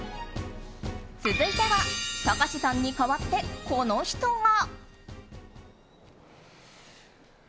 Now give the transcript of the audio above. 続いては、たかしさんに代わってこの人が！